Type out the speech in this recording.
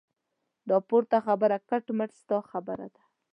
دا پورته خبره کټ مټ ستا خبره ده.